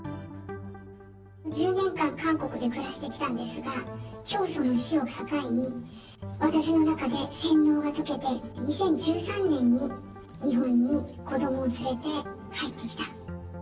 １０年間、韓国で暮らしてきたんですが、教祖の死を境に、私の中で洗脳が解けて、２０１３年に日本に子どもを連れて帰ってきた。